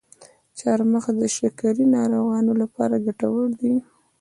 چارمغز د شکرې ناروغانو لپاره ګټور دی.